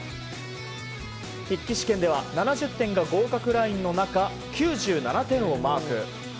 筆記試験では７０点が合格ラインの中９７点をマーク。